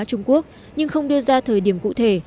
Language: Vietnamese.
trung quốc nhưng không đưa ra thời điểm cụ thể